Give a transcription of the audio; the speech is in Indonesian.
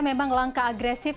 memang langkah agresif